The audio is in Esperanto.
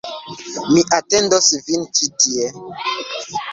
Mi atendos vin ĉi tie